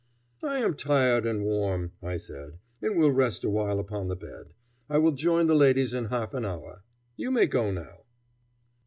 "I am tired and warm," I said, "and will rest awhile upon the bed. I will join the ladies in half an hour. You may go now."